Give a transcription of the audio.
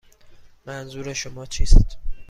منظور شما چیست؟